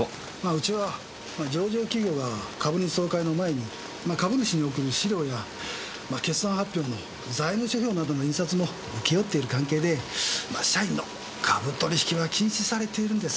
うちは上場企業が株主総会の前に株主に送る資料や決算発表に財務諸表などの印刷も請け負っている関係で社員の株取引は禁止されているんです。